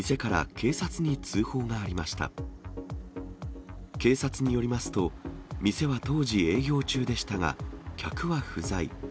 警察によりますと、店は当時、営業中でしたが、客は不在。